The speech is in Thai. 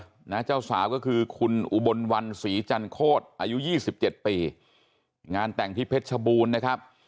นะเจ้าสาวก็คือคุณอุบลวันศรีจันโคตรอายุยี่สิบเจ็ดปีงานแต่งที่เพชรชบูรณ์นะครับ